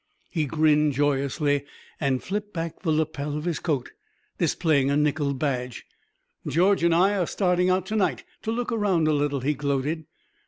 He grinned joyously and flipped back the lapel of his coat, displaying a nickeled badge. "George and I are starting out to night to look around a little," he gloated.